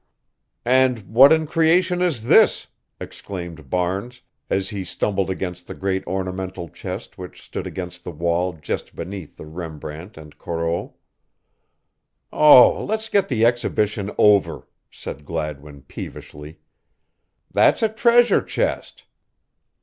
"And what in creation is this?" exclaimed Barnes, as he stumbled against the great ornamental chest which stood against the wall just beneath the Rembrandt and Corot. "Oh, let's get the exhibition over," said Gladwin, peevishly. "That's a treasure chest.